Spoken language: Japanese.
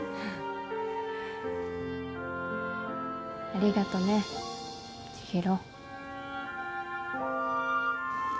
ありがとね千尋。